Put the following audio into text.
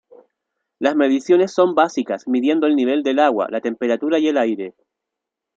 Las mediciones son básicas midiendo el nivel del agua, la temperatura y el aire.